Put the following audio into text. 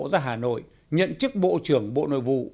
ra hà nội nhận chức bộ trưởng bộ nội vụ